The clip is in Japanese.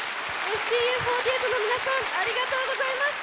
ＳＴＵ４８の皆さんありがとうございました。